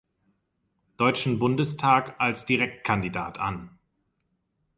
Deutschen Bundestag als Direktkandidat an.